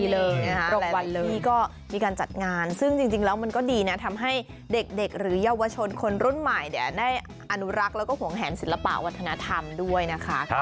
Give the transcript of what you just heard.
รางวัลที่ก็มีการจัดงานซึ่งจริงแล้วมันก็ดีนะทำให้เด็กหรือเยาวชนคนรุ่นใหม่ได้อนุรักษ์แล้วก็หวงแหนศิลปะวัฒนธรรมด้วยนะคะ